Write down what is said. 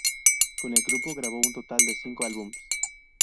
Con el grupo grabó un total de cinco álbumes.